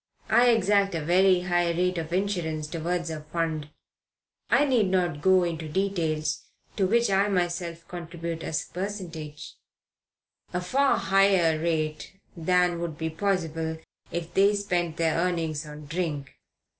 I exact a very high rate of insurance, towards a fund I need not go into details to which I myself contribute a percentage a far higher rate than would be possible if they spent their earnings on drink.